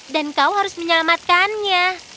dan kau harus menyelamatkannya